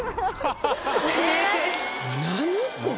何これ。